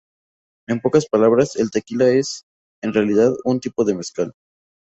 En pocas palabras, el tequila es, en realidad, un tipo de mezcal.